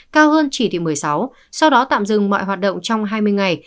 cao hơn chỉ thị một mươi sáu sau đó tạm dừng mọi hoạt động trong hai mươi ngày